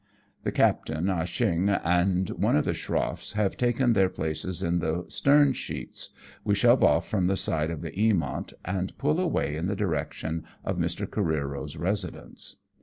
The captain, Ah Cheong and one of the schroffs having taken their places in the stern sheets, we shove off from the side of the Eamonf, and pull away in the direction of Mr. Careero's residence.